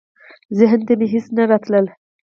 ذهن ته مي هیڅ نه راتلل .